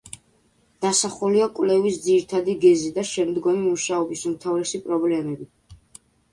დასახულია კვლევის ძირითადი გეზი და შემდგომი მუშაობის უმთავრესი პრობლემები.